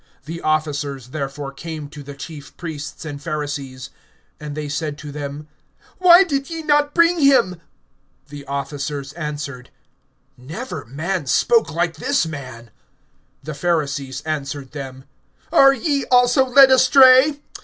(45)The officers therefore came to the chief priests and Pharisees; and they said to them: Why did ye not bring him? (46)The officers answered: Never man spoke like this man[7:47]. (47)The Pharisees answered them: Are ye also led astray?